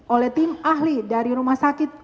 oleh tim ahli dari rumah sakit